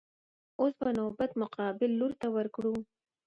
اوس به نوبت مقابل لور ته ورکړو.